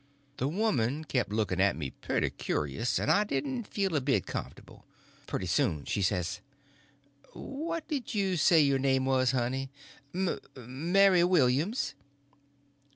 The woman kept looking at me pretty curious, and I didn't feel a bit comfortable. Pretty soon she says, "What did you say your name was, honey?" "M—Mary Williams."